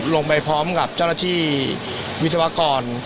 ลงไปพร้อมกับเจ้าหน้าที่วิศวกร